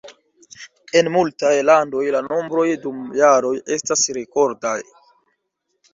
En multaj landoj la nombroj dum jaroj estas rekordaj.